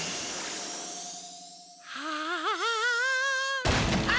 はあ！